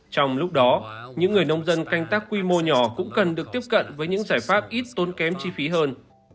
trong lúc đó những người nông dân canh tác quy mô nhỏ cũng cần được tiếp cận với những giải pháp ít tốn kém chi phí hơn